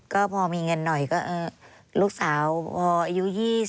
ก็พอมีเงินหน่อยก็ลูกสาวพออายุ๒๐